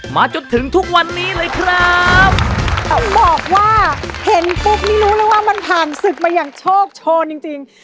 มาจนถึงทุกวันนี้เลยครับต้องบอกว่าเห็นปุ๊บนี่รู้แล้วว่ามันผ่านศึกมาอย่างโชคโชนจริงจริง